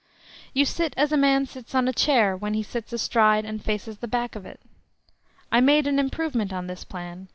You sit as a man sits on a chair when he sits astride and faces the back of it. I made an improvement on this plan.